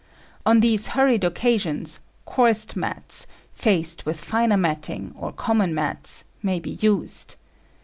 On these hurried occasions, coarse mats, faced with finer matting or common mats, may be used.